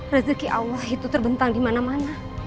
rezeki allah itu terbentang dimana mana